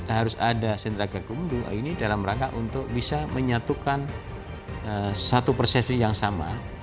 harus ada sentra gakumdu ini dalam rangka untuk bisa menyatukan satu persepsi yang sama